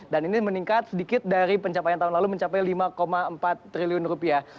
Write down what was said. dan ini meningkat sedikit dari pencapaian tahun lalu mencapai lima empat triliun rupiah